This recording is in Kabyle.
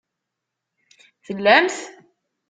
Tellamt?